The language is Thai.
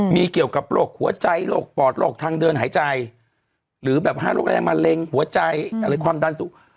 มีเกี่ยวกับโรคหัวใจโรคปอดโรคทางเดินหายใจหรือแบบ๕โรคแรงมะเร็งหัวใจอะไรความดันสูง